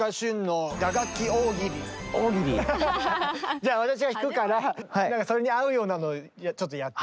大喜利⁉じゃあ私が弾くからなんかそれに合うようなのちょっとやって。